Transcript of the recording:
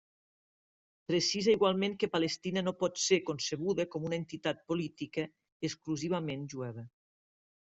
Precisa igualment que Palestina no pot ser concebuda com una entitat política exclusivament jueva.